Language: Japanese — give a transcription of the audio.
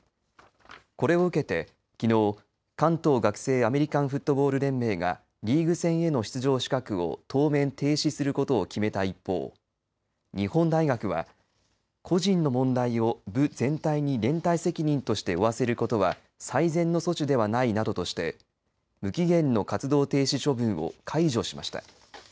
これを受けてきのう関東学生アメリカンフットボール連盟がリーグ戦への出場資格を当面停止することを決めた一方日本大学は個人の問題を部全体に連帯責任として負わせることは最善の措置ではないなどとして無期限の活動停止処分を解除しました。